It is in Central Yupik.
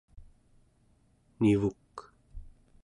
nivuk